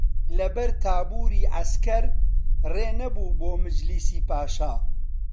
لە بەر تابووری عەسکەر ڕێ نەبوو بۆ مەجلیسی پاشا